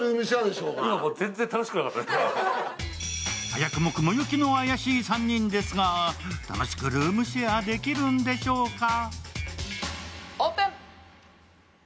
早くも雲行きの怪しい３人ですが楽しくルームシェアできるんでしょうか。